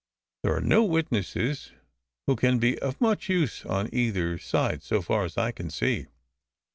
There are no witnesses who can be of much use on either side, so far as I can see.